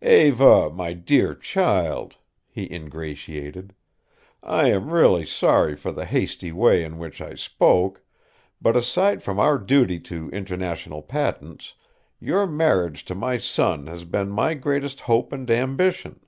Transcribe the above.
"Eva, my dear child," he ingratiated, "I am really sorry for the hasty way in which I spoke, but, aside from our duty to International Patents, your marriage to my son has been my greatest hope and ambition."